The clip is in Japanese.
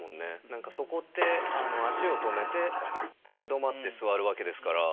何かそこで足を止めて立ち止まって座るわけですから。